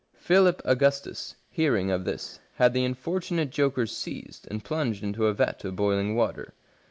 Philip Augustus, hearing of this, had the unfortunate jokers seized and plunged into a vat of boiling water.